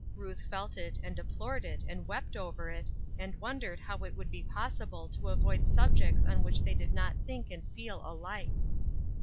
Ruth felt it and deplored it and wept over it, and wondered how it would be possible to avoid subjects on which they did not think and feel alike.